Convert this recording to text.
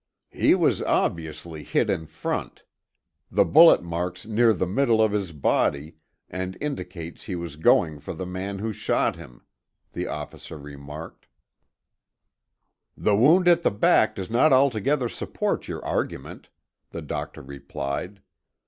"He was obviously hit in front. The bullet mark's near the middle of his body and indicates he was going for the man who shot him," the officer remarked. "The wound at the back does not altogether support your argument," the doctor replied.